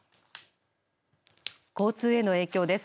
交通への影響です。